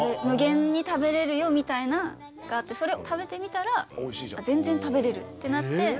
無限に食べれるよみたいなのがあってそれを食べてみたら全然食べれるってなって。